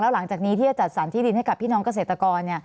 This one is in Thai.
หลังจากนี้ที่จะจัดสรรที่ดินให้กับพี่น้องเกษตรกร